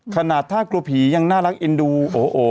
ขนาดถ้ากลัวผียังน่ารักเอ็นดูโอ้โห